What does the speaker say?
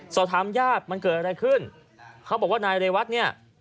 สอบถามญาติมันเกิดอะไรขึ้นเขาบอกว่านายเรวัตเนี่ย